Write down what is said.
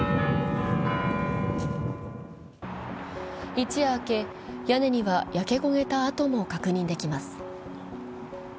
一夜明け、屋根には焼け焦げた跡も確認できます。